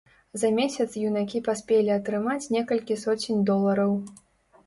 За месяц юнакі паспелі атрымаць некалькі соцень долараў.